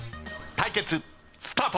対決スタート！